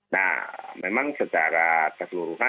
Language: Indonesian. nah memang secara keseluruhan